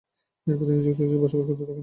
এরপর তিনি যুক্তরাজ্যে বসবাস করতে থাকেন।